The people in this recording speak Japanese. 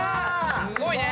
すごいね。